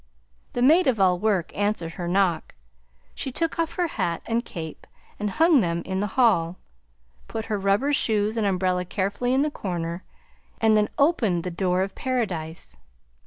The maid of all work answered her knock; she took off her hat and cape and hung them in the hall, put her rubber shoes and umbrella carefully in the corner, and then opened the door of paradise.